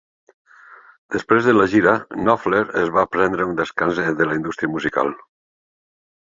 Després de la gira, Knopfler es va prendre un descans de la indústria musical.